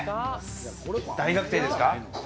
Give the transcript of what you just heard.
大学生ですか？